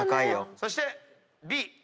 そしてＢ。